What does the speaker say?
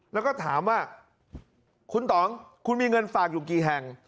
แล้วก็ถามว่าคุณต่องคุณมีเงินฝากอยู่กี่แห่ง